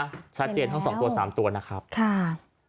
ในชะเทียนของ๒๓ตัวนะครับข่าศพอำ